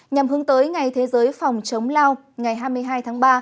nhằm hướng tới ngày thế giới phòng chống lao ngày hai mươi hai tháng ba